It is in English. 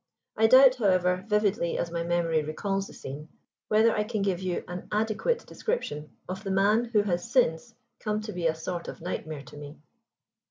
I doubt, however, vividly as my memory recalls the scene, whether I can give you an adequate description of the man who has since come to be a sort of nightmare to me.